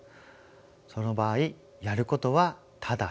その場合やることはただ一つです。